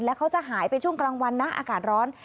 แล้วเขาจะหายไปช่วงกลางวันนะอากาศร้อน